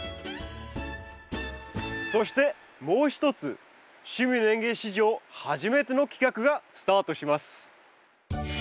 そしてもう一つ「趣味の園芸」史上初めての企画がスタートします。